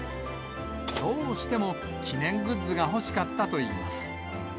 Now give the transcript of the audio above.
どうしても記念グッズが欲しかったといいます。